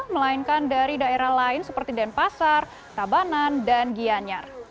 melainkan dari daerah lain seperti denpasar tabanan dan gianyar